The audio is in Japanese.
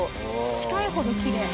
近いほどきれい。